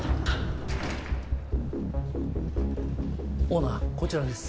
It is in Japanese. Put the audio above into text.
オーナーこちらです。